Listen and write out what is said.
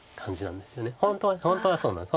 本当はそうなんです。